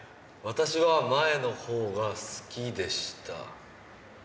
私は前の方が好きでした」。